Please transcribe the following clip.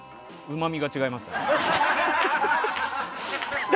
うまみが違いました。